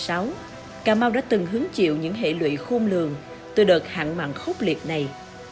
trở lại thời điểm mùa khô năm hai nghìn một mươi năm hai nghìn một mươi sáu cà mau đã từng hướng chịu những hệ lụy khôn lường từ đợt hạn mặn khốc liệt này